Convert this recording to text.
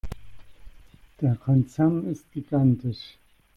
Der Konzern ist gigantisch.